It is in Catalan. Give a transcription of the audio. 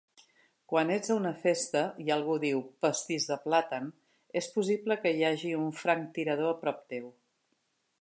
Quan ets a una festa i algú diu "pastís de plàtan", és possible que hi hagi un franctirador a prop teu.